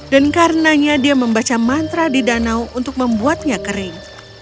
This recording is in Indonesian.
dan karenanya dia membaca mantra di danau untuk membuatnya kering